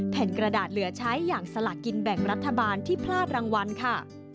แผ่นกระดาษเหลือใช้อย่างสลากินแบ่งรัฐบาลที่พลาดรางวัลค่ะ